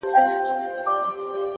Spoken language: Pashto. زغم د حکمت نښه ده,